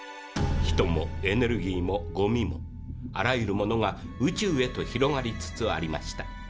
人もエネルギーもゴミもあらゆるものが宇宙へと広がりつつありました。